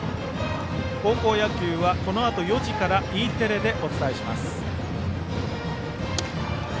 高校野球はこのあと４時からＥテレでお伝えします。